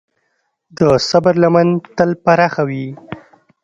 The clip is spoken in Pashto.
د صبر لمن تل پراخه وي.